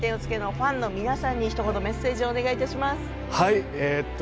ファンの皆さんへ、ひと言メッセージをお願いします。